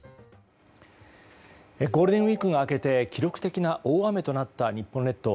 ゴールデンウィークが明けて記録的な大雨となった日本列島。